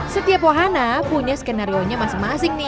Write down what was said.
setiap wahana punya skenario nya masing masing nih